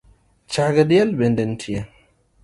Chag diel bende nitie?